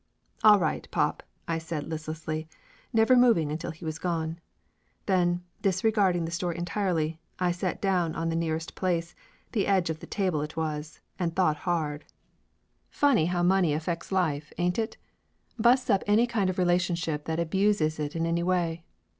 "All right, pop," I says listlessly, never moving until he was gone. Then, disregarding the store entirely, I sat down on the nearest place the edge of the table it was and thought hard. 50 Laughter Limited Funny how money affects life, ain't it? Busts up any kind of relationship that abuses it in any way.